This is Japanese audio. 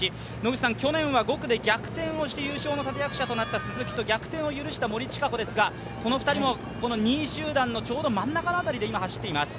去年は５区で逆転をして優勝の立役者となった鈴木と逆転を許した森智香子ですが、この２人も２位集団のちょうど真ん中辺りで走っています。